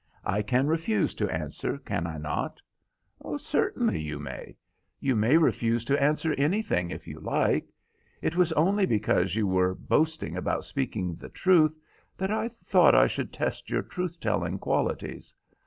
I can refuse to answer, can I not?" "Certainly you may. You may refuse to answer anything, if you like. It was only because you were boasting about speaking the truth that I thought I should test your truth telling qualities.